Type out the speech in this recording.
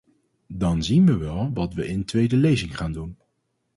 Dan zien we wel wat we in tweede lezing gaan doen.